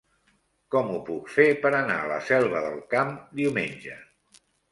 Com ho puc fer per anar a la Selva del Camp diumenge?